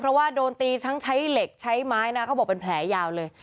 เพราะว่าโดนตีทั้งใช้เหล็กใช้ไม้นะเขาบอกเป็นแผลยาวเลย